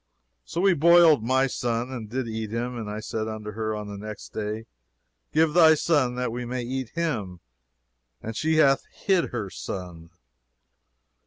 So we boiled my son, and did eat him; and I said unto her on the next day, Give thy son that we may eat him; and she hath hid her son."